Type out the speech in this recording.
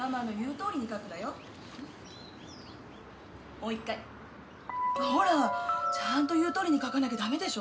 もう一回。ほらちゃんと言うとおりに書かなきゃダメでしょ。